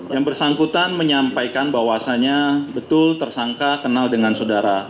yang bersangkutan menyampaikan bahwasannya betul tersangka kenal dengan saudara